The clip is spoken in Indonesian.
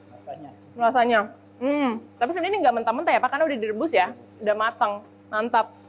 rasanya rasanya tapi sebenarnya ini nggak mentah mentah ya pak karena udah direbus ya udah matang mantap